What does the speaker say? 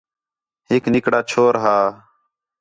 ہِک نِکڑا چھور ہا